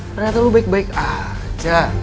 ternyata lu baik baik aja